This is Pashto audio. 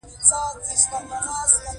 یوه هفته په کابل کې ژوند نه شي کولای.